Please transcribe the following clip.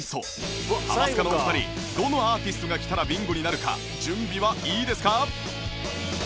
ハマスカのお二人どのアーティストがきたらビンゴになるか準備はいいですか？